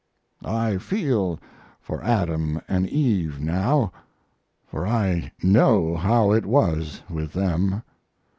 I feel for Adam and Eve now, for I know how it was with them.